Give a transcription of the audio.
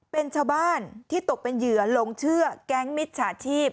เป็นชาวบ้านที่ตกเป็นเหยื่อหลงเชื่อแก๊งมิจฉาชีพ